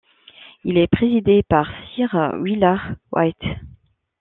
Il est présidé par Sir Willard White.